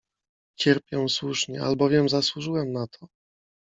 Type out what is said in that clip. — Cierpię słusznie, albowiem zasłużyłem na to!